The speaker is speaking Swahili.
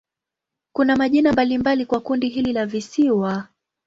Kuna majina mbalimbali kwa kundi hili la visiwa.